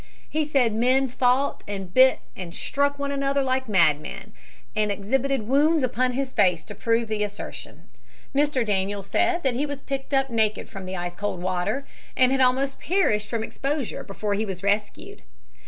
He said men fought and bit and struck one another like madmen, and exhibited wounds upon his face to prove the assertion. Mr. Daniel said that he was picked up naked from the ice cold water and almost perished from exposure before he was rescued.